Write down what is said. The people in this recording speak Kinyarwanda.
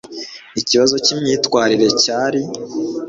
Ikibazo cyimyitwarire cyari